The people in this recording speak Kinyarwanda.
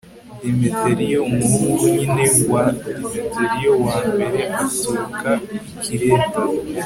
demetiriyo, umuhungu nyine wa demetiriyo wa mbere, aturuka i kireta